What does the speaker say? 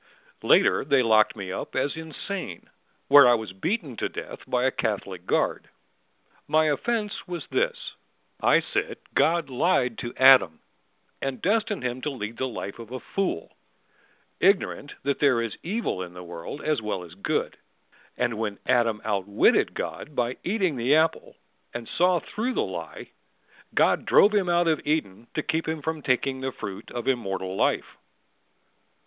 Later they locked me up as insane Where I was beaten to death by a Catholic guard. My offense was this: I said God lied to Adam, and destined him To lead the life of a fool, Ignorant that there is evil in the world as well as good. And when Adam outwitted God by eating the apple And saw through the lie, God drove him out of Eden to keep him from taking The fruit of immortal life.